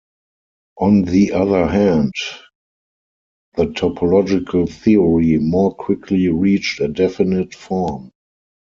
On the other hand, the topological theory more quickly reached a definitive form.